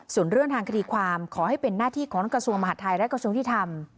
ส่วนเรื่องทางคดีความขอให้เป็นหน้าที่ของกระทรวงมหาดไทยและกระทรวงยุทธรรม